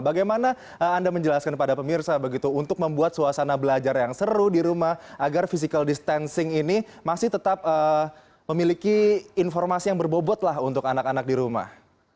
bagaimana anda menjelaskan kepada pemirsa begitu untuk membuat suasana belajar yang seru di rumah agar physical distancing ini masih tetap memiliki informasi yang berbobot lah untuk anak anak di rumah